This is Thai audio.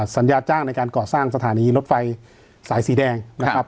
สัญญาจ้างในการก่อสร้างสถานีรถไฟสายสีแดงนะครับ